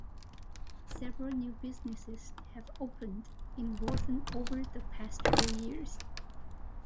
Several new businesses have opened in Lorton over the past few years.